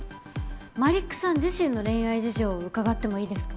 マリックさん自身の恋愛事情を伺ってもいいですか？